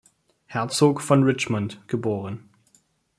Herzog von Richmond geboren.